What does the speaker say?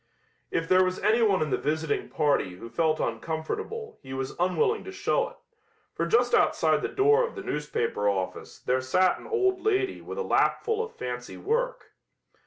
If there was anyone in the visiting party who felt uncomfortable he was unwilling to show it, for just outside the door of the newspaper office there sat an old lady with a lapful of fancy work.